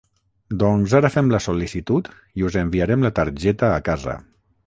Doncs ara fem la sol·licitud i us enviarem la targeta a casa.